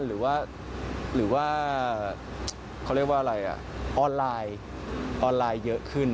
หรือว่าเขาเรียกว่าอะไรออนไลน์เยอะขึ้น